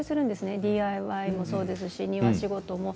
ＤＩＹもそうですし庭仕事も。